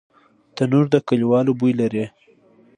تنور د کلیوالو بوی لري